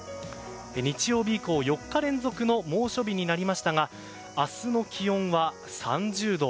日曜日以降４日連続の猛暑日になりましたが明日の気温は３０度。